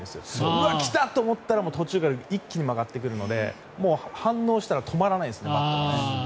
うわ、来たと思ったら途中から一気に曲がってくるのでバットが反応したら止まらないです。